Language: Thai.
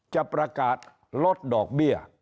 จะประกาศลดดอกเบี้ย